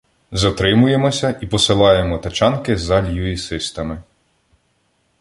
Затримуємося і посилаємо тачанки за "люїсистами".